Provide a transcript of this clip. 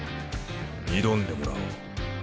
挑んでもらおう。